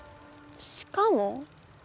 「しかも」？